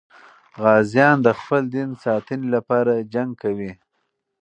غازیان د خپل دین ساتنې لپاره جنګ کوي.